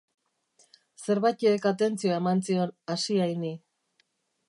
Zerbaitek atentzioa eman zion Asiaini.